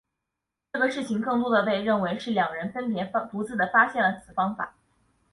这个事情更多地被认为是两人分别独立地发现了此方法。